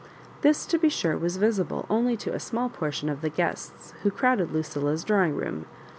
This, to be sure, was visible only to a small por tion of the guests who crowded Lucilla's draw ing room.